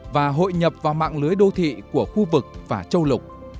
và hội nhập vào mạng lưới đô thị của khu vực và châu lục